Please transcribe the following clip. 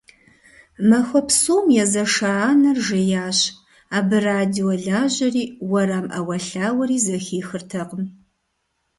Махуэ псом езэша анэр жеящ, абы радио лажьэри, уэрам Ӏэуэлъауэри зэхихыртэкъым.